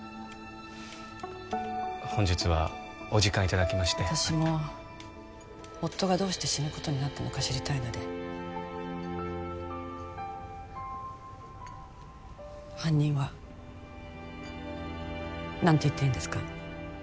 本日はお時間いただきまして私も夫がどうして死ぬことになったのか知りたいので犯人は何て言ってるんですか？